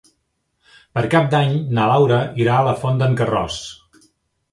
Per Cap d'Any na Laura irà a la Font d'en Carròs.